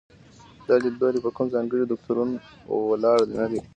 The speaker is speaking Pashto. دا لیدلوری په کوم ځانګړي دوکتورین ولاړ نه دی.